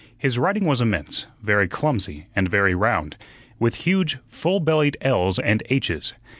His writing was immense, very clumsy, and very round, with huge, full bellied l's and h's.